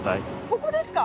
ここですか？